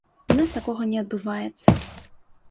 У нас такога не адбываецца.